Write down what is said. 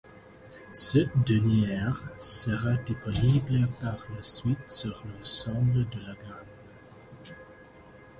Cette dernière sera disponible par la suite sur l'ensemble de la gamme.